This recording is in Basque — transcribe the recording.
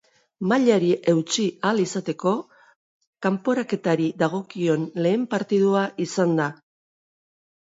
Mailari eutsi ahal izateko kanporaketari dagokion lehen partidua izan da.